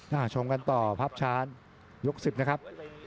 น่าชมกันต่อพับช้ายกสิบนะครับ